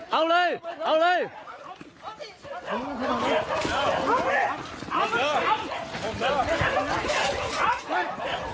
เอาเลยเอาเลยเอาเลย